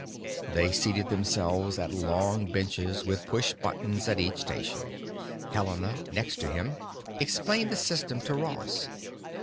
They seated themselves at long benches, with push buttons at each station. Helena, next to him, explained the system to Ross.